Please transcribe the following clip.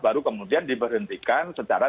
baru kemudian diberhentikan secara